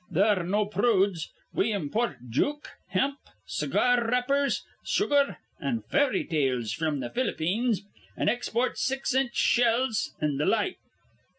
They're no prudes. We import juke, hemp, cigar wrappers, sugar, an' fairy tales fr'm th' Ph'lippeens, an' export six inch shells an' th' like.